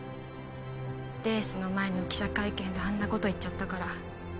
レースの前の記者会見であんなこと言っちゃったから